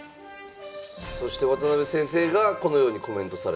そして渡辺先生がこのようにコメントされたと。